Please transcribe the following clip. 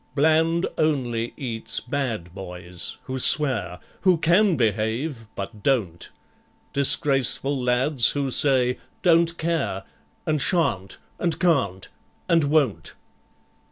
BLAND only eats bad boys, who swear— Who can behave, but don't— Disgraceful lads who say "don't care," And "shan't," and "can't," and "won't."